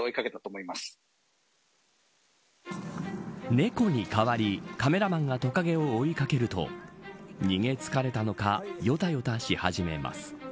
猫に代わり、カメラマンがトカゲを追い掛けると逃げ疲れたのかよたよたし始めます。